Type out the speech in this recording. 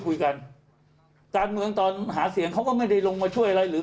คุยกันการเมืองตอนหาเสียงเขาก็ไม่ได้ลงมาช่วยอะไรหรือ